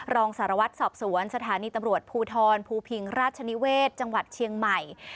รองสารวัตรสอบสวนสถานีตำรวจภูทรภูพิงราชนิเวศจังหวัดเชียงใหม่